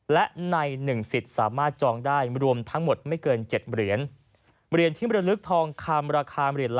และใน๑สิทธิสามารถจองได้รวมทั้งหมดไม่เกินเจ็ดมรี่